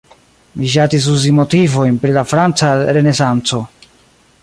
Li ŝatis uzi motivojn pri la franca renesanco.